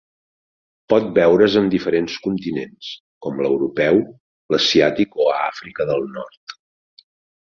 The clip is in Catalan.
Pot veure's en diferents continents, com l'europeu, l'asiàtic o a Àfrica del Nord.